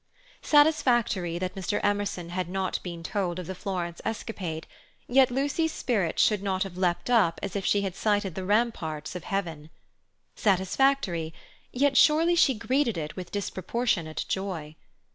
Satisfactory that Mr. Emerson had not been told of the Florence escapade; yet Lucy's spirits should not have leapt up as if she had sighted the ramparts of heaven. Satisfactory; yet surely she greeted it with disproportionate joy.